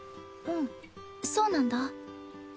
うんそうなんだ。